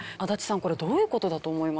これどういう事だと思いますか？